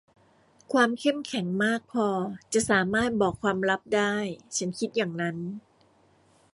ความเข้มแข็งมากพอจะสามารถบอกความลับได้ ฉันคิดอย่างนั้น